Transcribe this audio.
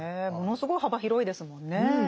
ものすごい幅広いですもんねぇ。